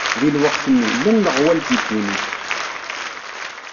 Di lweqt-nni, llan leɣwal di ddunit.